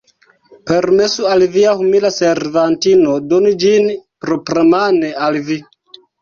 Permesu al via humila servantino doni ĝin propramane al vi.